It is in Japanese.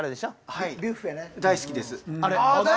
はい大好きです。